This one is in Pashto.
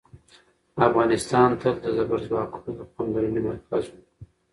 افغانستان تل د زبرځواکونو د پاملرنې مرکز و.